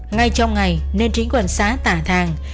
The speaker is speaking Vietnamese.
ngay trong ngày nên chính quân xã tà thàng